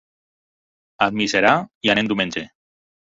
A Almiserà hi anem diumenge.